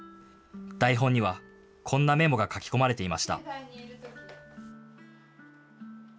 台本にはこんなメモが書き込まれていました。